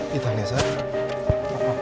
kita biar sa